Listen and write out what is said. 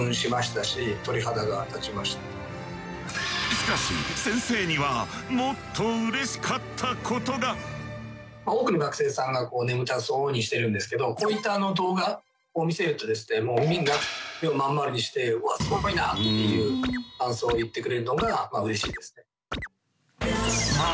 しかし先生には多くの学生さんが眠たそうにしてるんですけどこういった動画を見せるとですねもうみんな目を真ん丸にして「うわスゴいな！」っていう感想を言ってくれるのがうれしいですね。